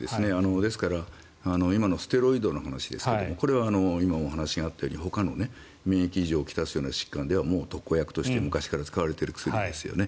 ですから今のステロイドの話ですがこれは今お話があったようにほかの免疫異常をきたすような疾患ではもう特効薬として昔から使われている薬ですよね。